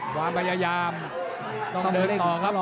ความพยายามต้องเดินต่อครับ